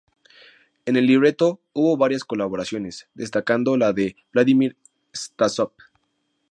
En el libreto hubo varias colaboraciones, destacando la de Vladímir Stásov.